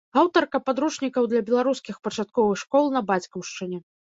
Аўтарка падручнікаў для беларускіх пачатковых школ на бацькаўшчыне.